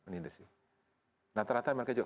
nah rata rata mereka juga